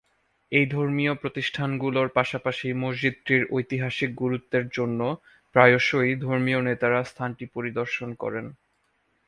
এই ধর্মীয় প্রতিষ্ঠানগুলোর পাশাপাশি মসজিদটির ঐতিহাসিক গুরুত্বের জন্য প্রায়শই ধর্মীয় নেতারা স্থানটি পরিদর্শন করেন।